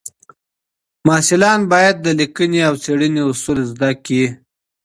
محصلان باید د لیکنې او څېړنې اصول زده کړي.